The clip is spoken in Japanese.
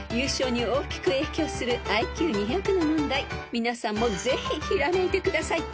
［皆さんもぜひひらめいてください］